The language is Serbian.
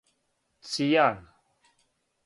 Цијан